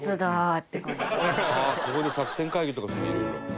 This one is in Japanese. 「ここで作戦会議とかする色々」